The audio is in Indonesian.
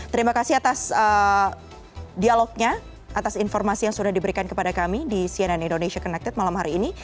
terima kasih atas dialognya atas informasi yang sudah diberikan kepada kami di cnn indonesia connected malam hari ini